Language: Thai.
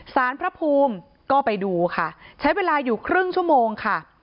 สารพระภูมิก็ไปดูค่ะใช้เวลาอยู่ครึ่งชั่วโมงค่ะ